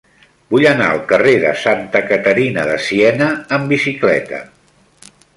Vull anar al carrer de Santa Caterina de Siena amb bicicleta.